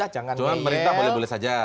cuma pemerintah boleh boleh saja